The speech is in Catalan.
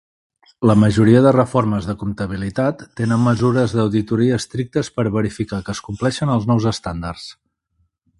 La majoria de reformes de comptabilitat tenen mesures d'auditoria estrictes per verificar que es compleixen els nous estàndards.